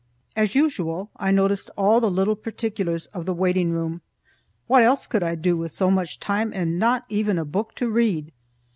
As usual, I noticed all the little particulars of the waiting room. What else could I do with so much time and not even a book to read?